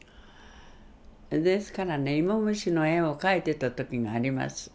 ですからね芋虫の絵を描いてた時があります。